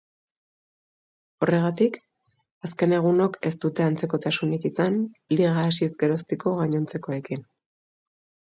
Horregatik azken egunok ez dute antzekotasunik izan liga hasiz geroztiko gainontzekoekin.